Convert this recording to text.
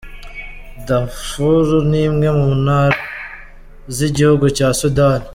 Darfour, ni imwe mu ntara z’igihugu cya Sudani.